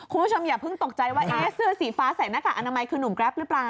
คุณผู้ชมอย่าเพิ่งตกใจว่าเสื้อสีฟ้าใส่หน้ากากอนามัยคือหนุ่มแกรปหรือเปล่า